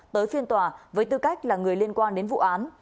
tới phiên tòa với tư cách là người liên quan đến vụ án